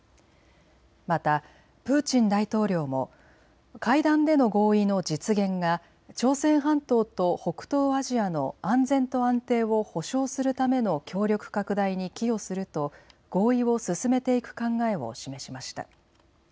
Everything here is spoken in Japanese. またプーチン大統領も会談での合意の実現が朝鮮半島と北東アジアの安全と安定を保障するための協力拡大に寄与すると合意を進めていく考えを示しました。